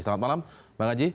selamat malam bang aji